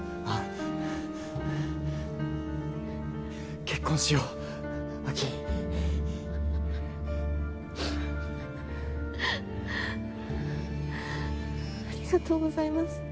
ありがとうございます。